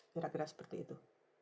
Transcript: kira kira seperti itu